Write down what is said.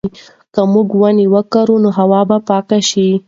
که موږ ونې وکرو نو هوا به پاکه شي.